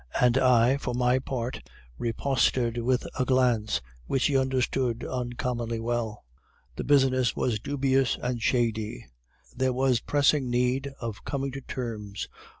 And I, for my part, riposted with a glance, which he understood uncommonly well. The business was dubious and shady; there was pressing need of coming to terms.